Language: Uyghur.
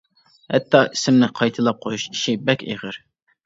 ھەتتا ئىسىمنى قايتىلاپ قويۇش ئىشى بەك ئېغىر.